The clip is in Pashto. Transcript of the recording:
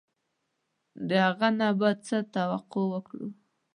د هغه نه به څه توقع وکړو.